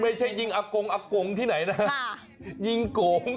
ไม่ใช่ยิงอักโก๋งอักโก๋งที่ไหนนะยิงโก๋ง